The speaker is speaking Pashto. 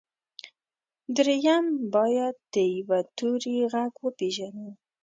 درېيم بايد د يوه توري غږ وپېژنو.